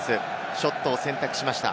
ショットを選択しました。